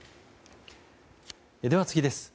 では次です。